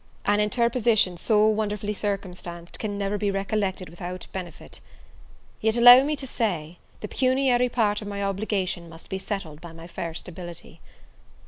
An interposition so wonderfully circumstanced can never be recollected without benefit. Yet allow me to say, the pecuniary part of my obligation must be settled by my first ability.